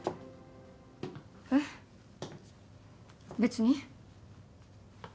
えっ別に。